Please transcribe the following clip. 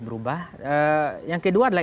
berubah yang kedua adalah